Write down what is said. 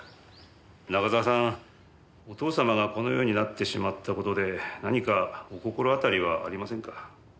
中沢さんお父様がこのようになってしまった事で何かお心当たりはありませんか？